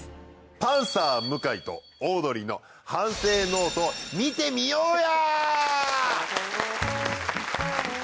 パンサー向井とオードリーの反省ノート見てみようや！